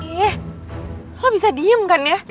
yeh lo bisa diem kan ya